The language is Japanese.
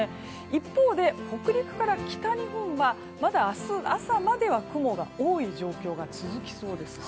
一方で北陸から北日本はまだ明日朝までは雲が多い状況が続きそうです。